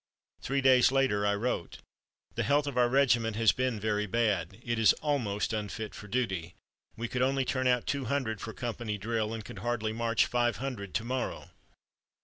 Three days later I wrote: "The health of our regiment has been very bad. It is almost unfit for duty. We could only turn out two hundred for company drill, and could hardly march five hundred to morrow.